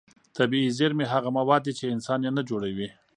طبیعي زېرمې هغه مواد دي چې انسان یې نه جوړوي.